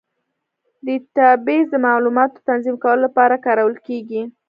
ډیټابیس د معلوماتو تنظیم کولو لپاره کارول کېږي.